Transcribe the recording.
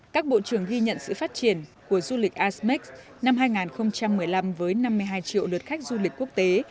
các bộ trưởng ghi nhận sự phát triển của du lịch asmec năm hai nghìn một mươi năm với năm mươi hai triệu lượt khách du lịch quốc tế